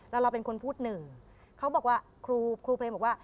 แล้วเราเป็นคนพูดหนึ่งเขาบอกว่าครูเพลงบอกว่า